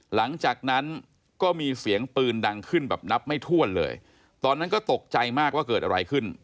หลังจากนั้นก็มีเสียงปืนดังขึ้นแบบนับไม่ถ้วนเลยตอนนั้นก็ตกใจมากว่าเกิดอะไรขึ้น